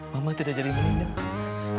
mama tidak jadi meninggal